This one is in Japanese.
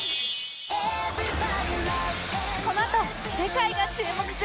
このあと世界が注目する『ラブ ！！Ｊ』